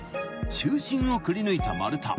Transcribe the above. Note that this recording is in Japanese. ［中心をくりぬいた丸太］